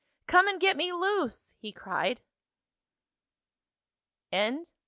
"Come and get me loose!" he cried.